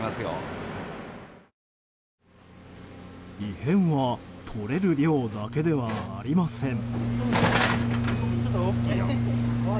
異変はとれる量だけではありません。